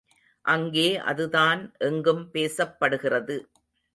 அங்கே அதுதான் எங்கும் பேசப்படுகிறது.